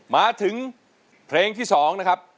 มาถึงเพลงที่๒นะครับ